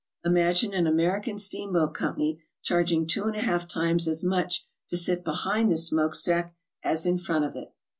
Imagine an American steamboat company charging two and a half times as much to sit behind the smoke stack as in front of it!